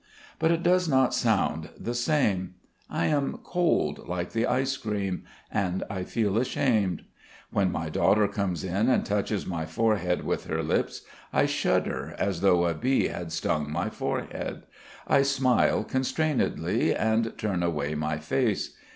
But it does not sound the same. I am cold like the ice cream and I feel ashamed. When my daughter comes in and touches my forehead with her lips I shudder as though a bee had stung my forehead, I smile constrainedly and turn away my face.